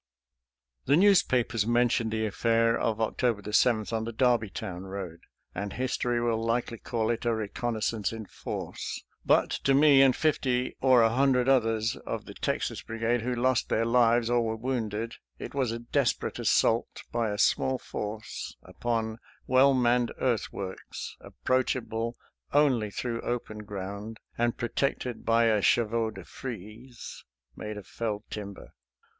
The newspapers mentioned the affair of Oc tober 7 on the Darbytown road, and history will likely call it a reconnaissance in force; but to me and fifty or a hundred others of the Texas Brigade who lost their lives or were wounded, it was a desperate assault by a small force upon well manned earthworks, approachable only through open ground, and protected by a chevaux de frise made of felled timber.